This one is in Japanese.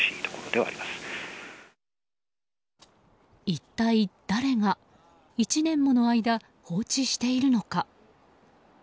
一体誰が１年もの間、放置しているのか。